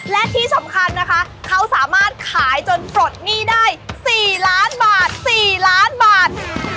และที่สำคัญนะคะเขาสามารถขายจนปลดหนี้ได้๔ล้านบาท๔ล้านบาท